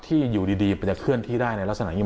ที่อยู่ดีมันจะเคลื่อนที่ได้ในลักษณะอย่างนี้